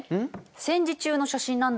戦時中の写真なんだけど。